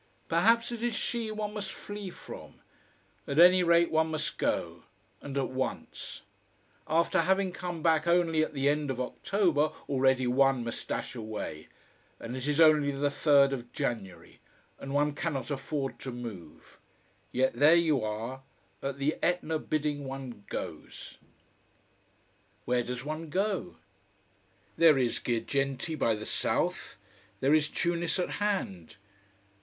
Perhaps it is she one must flee from. At any rate, one must go: and at once. After having come back only at the end of October, already one must dash away. And it is only the third of January. And one cannot afford to move. Yet there you are: at the Etna bidding one goes. Where does one go? There is Girgenti by the south. There is Tunis at hand.